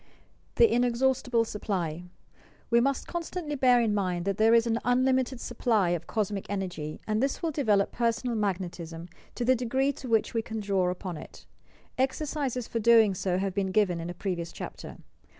"the inexhadstible supply" We must constantly bear in mind that there is an un limited supply of Cosmic Energy, and this will develop PERSONAL MAGNETISM 265 personal magnetism to the degree to which we can draw upon it. Exercises for doing so have been given in a pre vious chapter.